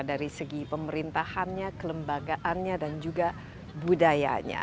dari segi pemerintahannya kelembagaannya dan juga budayanya